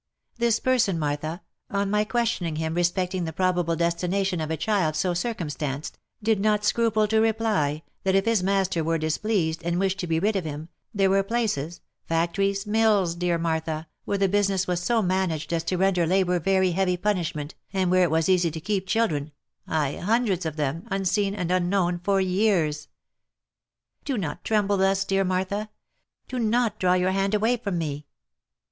This person, Martha, on my questioning him respecting the probable destination of a child so circumstanced, did not scruple to reply, that if his master were displeased, and wished to be rid of him, there were places — factories, mills, dear Martha, where the business was so managed as to render labour very heavy punish ment, and where it was easy to keep children, ay, hundreds of them, unseen and unknown for years. Do not tremble thus, dear Martha ! Do not draw your hand away from me